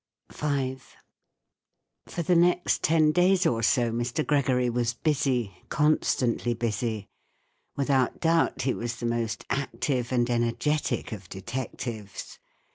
V. For the next ten days or so Mr. Gregory was busy, constantly busy. Without doubt, he was the most active and energetic of detectives.